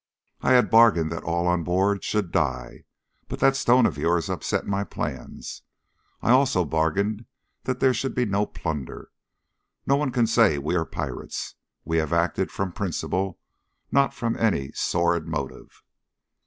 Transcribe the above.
I had bargained that all on board should die; but that stone of yours upset my plans. I also bargained that there should be no plunder. No one can say we are pirates. We have acted from principle, not from any sordid motive."